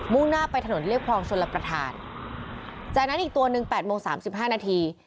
มุ่งหน้าไปถนนเรียบครองชนระประธานจากนั้นอีกตัวนึง๘โมง๓๕นาที